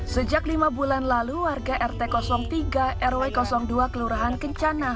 sejak lima bulan lalu warga rt tiga rw dua kelurahan kencana